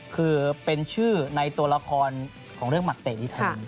คือเป็นชื่อในตัวละครของเรื่องหมักเตะที่ไทย